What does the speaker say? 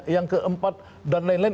yang keempat dan lain lain